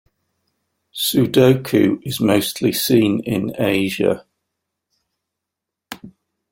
Sodoku is mostly seen in Asia.